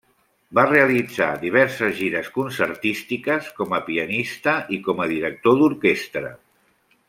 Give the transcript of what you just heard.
Va realitzar diverses gires concertístiques, com a pianista i com a director d'orquestra.